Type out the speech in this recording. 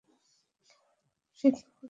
রসিকবাবু কী বলেন?